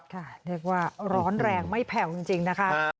เรียกว่าร้อนแรงไม่แผ่วจริงนะคะ